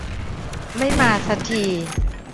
ไม่มาซะที